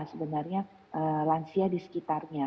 sebenarnya lansia di sekitarnya